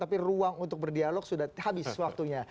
tapi ruang untuk berdialog sudah habis waktunya